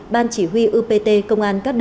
bàn chỉ huy upt công an các đơn vị